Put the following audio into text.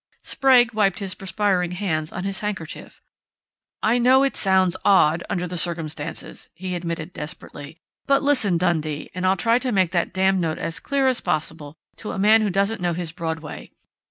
Sprague wiped his perspiring hands on his handkerchief. "I know it sounds odd, under the circumstances," he admitted desperately, "but listen, Dundee, and I'll try to make that damned note as clear as possible to a man who doesn't know his Broadway....